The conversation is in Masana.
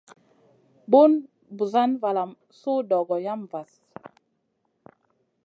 Bun Busana valam su dogo yam vahl.